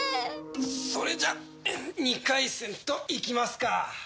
それじゃ２回戦といきますか。